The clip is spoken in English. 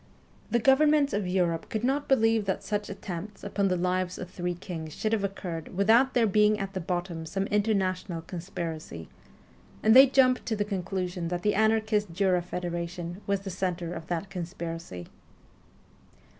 The governments of Europe could not believe that such attempts upon the lives of three kings should have occurred without there being at the bottom some international conspiracy, and they jumped to the conclusion that the anarchist Jura Federation was the centre of that conspiracy.